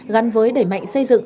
gắn với đẩy mạnh xây dựng